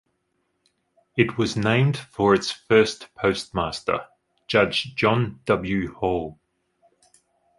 It was named for its first postmaster, Judge John W. Hall.